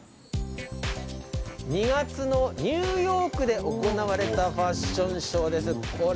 ２月のニューヨークで行われたファッションショーです。